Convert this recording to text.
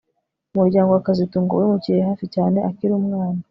Umuryango wa kazitunga wimukiye hafi cyane akiri umwana